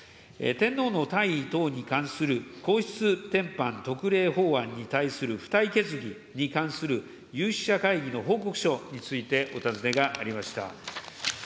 天皇の退位等に関する皇室典範特例法案に対する付帯決議に関する有識者会議の報告書についてお尋ねがありました。